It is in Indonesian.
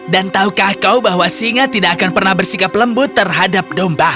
dan tahukah kau bahwa singa tidak akan pernah bersikap lembut terhadap domba